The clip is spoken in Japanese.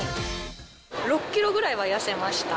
６キロぐらいは痩せました。